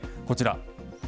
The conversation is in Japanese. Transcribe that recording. こちら。